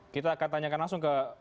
kita akan tanyakan langsung ke